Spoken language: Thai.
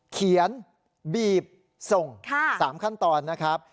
เขียนบีบส่ง๓ขั้นตอนนะครับ